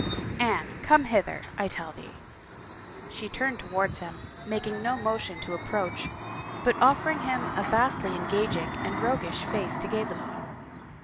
" Anne, come hither, I tell thee." She turned towards him, making no motion to ap proach, but offering him a vastly engaging and roguish face to gaze upon.